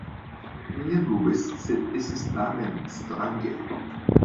Mi ne dubas, sed estas tamen strange.